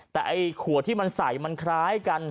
แต่ไอ้ขวดที่มันใส่มันคล้ายกัน